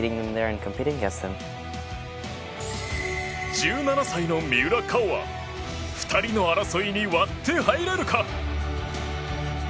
１７歳の三浦佳生は２人の争いに割って入れるか。